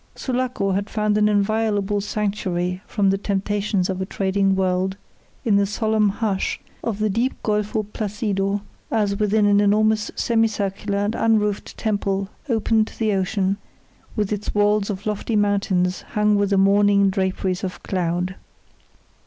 Sulaco had found an inviolable sanctuary from the temptations of a trading world in the solemn hush of the deep Golfo Placido as if within an enormous semi circular and unroofed temple open to the ocean, with its walls of lofty mountains hung with the mourning draperies of cloud.